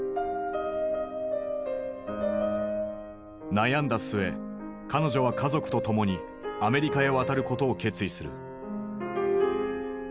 悩んだ末彼女は家族と共にアメリカへ渡ることを決意する。